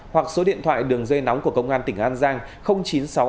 một trăm ba mươi tám hoặc số điện thoại đường dây nóng của công an tỉnh an giang